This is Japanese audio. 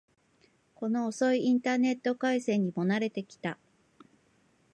この遅いインターネット回線にも慣れてきた